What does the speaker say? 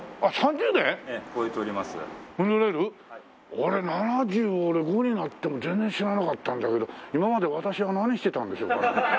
俺７５になっても全然知らなかったんだけど今まで私は何してたんでしょうか？